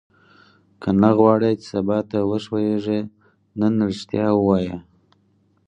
که نه غواړې چې سبا ته وښوېږې نن ریښتیا ووایه.